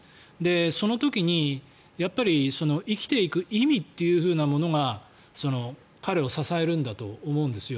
その時に生きていく意味というものが彼を支えるんだと思うんですよ。